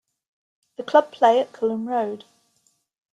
The club play at Culham Road.